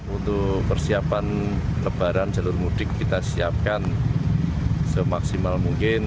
untuk persiapan lebaran jalur mudik kita siapkan semaksimal mungkin